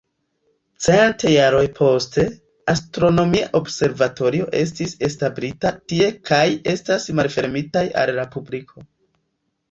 Cent jaroj poste, astronomia observatorio estis establita tie kaj estas malfermitaj al la publiko.